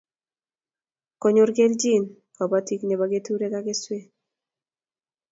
Konyor kelchin kobotik nebo keturek ak keswek